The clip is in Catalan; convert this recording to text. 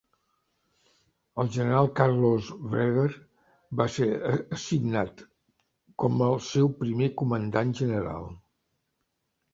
El general Carlos Brewer va ser assignat com el seu primer comandant general.